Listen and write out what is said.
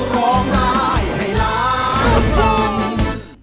รับทราบ